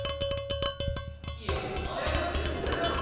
いや謝ってるの俺だろ。